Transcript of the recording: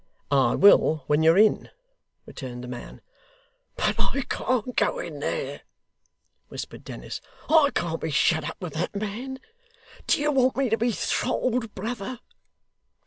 'I will, when you're in,' returned the man. 'But I can't go in there,' whispered Dennis. 'I can't be shut up with that man. Do you want me to be throttled, brother?